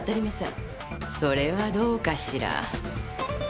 それはどうかしら。